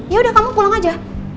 yaudah kamu pulang aja